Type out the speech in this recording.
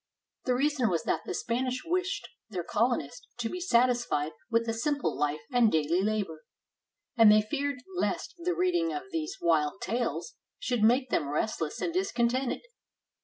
The reason was that the Spanish wished their colonist to be satisfied with a sim ple life and daily labor, and they feared lest the reading of these wild tales should make them restless and discontented.